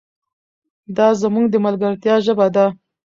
دا زموږ د ملګرتیا ژبه ده.